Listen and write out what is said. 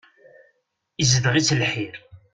Izeddeɣ-itt lḥir.